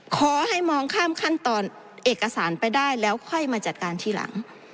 ขอให้มองข้ามขั้นตอนเอกสารไปได้แล้วค่อยมาจัดการทีหลัง